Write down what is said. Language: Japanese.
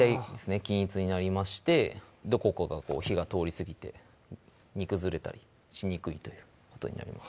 均一になりましてどこかが火が通り過ぎて煮崩れたりしにくいということになります